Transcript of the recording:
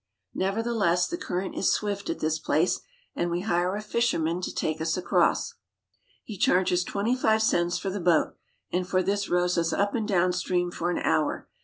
Nevertheless, the current is swift at this place and we hire a fisherman to take us across. He charges twenty five cents for the boat, and for this rows us up and down stream for an hour.